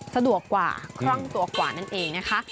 สะดวกกว่าคล่องตัวกว่านั่นเองนะคะ